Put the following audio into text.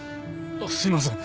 すいません。